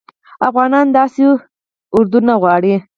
افغانان داسي اردوه نه غواړي